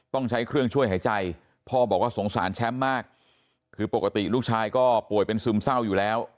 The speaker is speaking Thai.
ต้องใช้เครื่องช่วยหายใจพ่อบอกว่าสงสารแชมป์มากคือปกติลูกชายก็ป่วยเป็นซึมเศร้าอยู่แล้ว